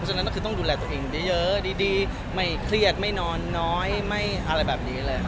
ฉะนั้นก็คือต้องดูแลตัวเองเยอะดีไม่เครียดไม่นอนน้อยไม่อะไรแบบนี้เลย